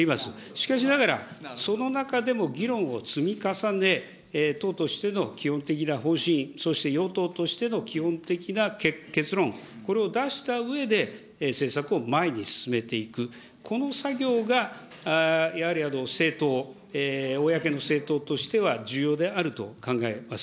しかしながら、その中でも議論を積み重ね、党としての基本的な方針、そして与党としての基本的な結論、これを出したうえで、政策を前に進めていく、この作業がやはり政党、公の政党としては重要であると考えます。